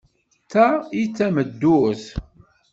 D ta i d tameddurt!